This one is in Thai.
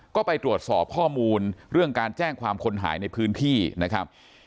ก็ไปตรวจสอบข้อมูลเรื่องการแจ้งความคนหายในพื้นที่นะครับ